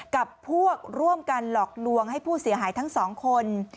กับพวกร่วมกันหลอกลวงให้ผู้เสียหายทั้งสองคน